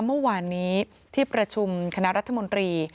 เมื่อวานนี้ที่ประชุมคณะรัฐมนตรี